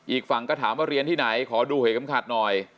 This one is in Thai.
อีกฝั่งก็ถามว่าเรียนที่ไหนขอดูเหตุคำขัดหน่อย